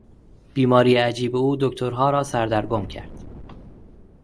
بیماری عجیب او دکترها را سردرگم کرد.